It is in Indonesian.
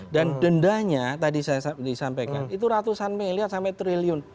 dendanya tadi saya disampaikan itu ratusan miliar sampai triliun